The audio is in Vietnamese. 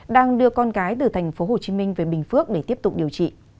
đang đưa con cái từ thành phố hồ chí minh về bình phước để tiếp tục điều trị